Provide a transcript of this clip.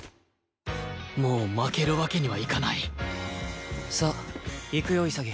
もう負けるわけにはいかないさあ行くよ潔。